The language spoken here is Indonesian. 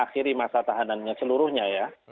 akhiri masa tahanannya seluruhnya ya